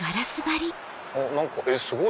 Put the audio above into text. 何かえっすごい！